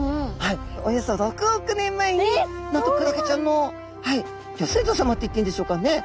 およそ６億年前になんとクラゲちゃんのギョ先祖さまっていっていいんでしょうかね。